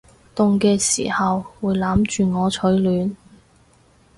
凍嘅時候會攬住我取暖